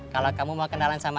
kalau kamu mau kenalan sama